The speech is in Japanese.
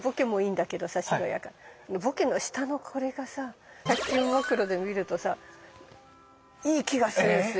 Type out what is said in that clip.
ボケの下のこれがさ１００均マクロで見るとさいい気がするんすよ。